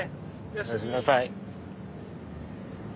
おやすみなさい。